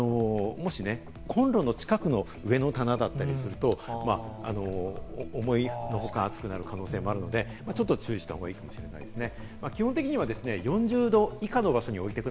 もしね、コンロの近くの上の棚だったりすると思いの外、熱くなる可能性もあるのでちょっと注意した方がいいかもしれませんね。